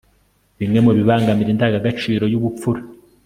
bimwe mu bibangamira indangagaciro y'ubupfura